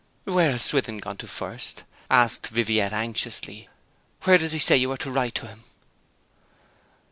'Where has Swithin gone to first?' asked Viviette anxiously. 'Where does he say you are to write to him?'